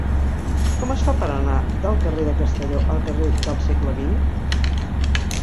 Com es fa per anar del carrer de Castelló al carrer del Segle XX?